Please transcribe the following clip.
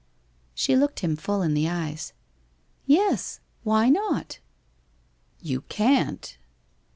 ' She looked him full in the eyes. 'Yes. Why not?'' ' You can't.'